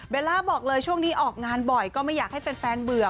ล่าบอกเลยช่วงนี้ออกงานบ่อยก็ไม่อยากให้แฟนเบื่อ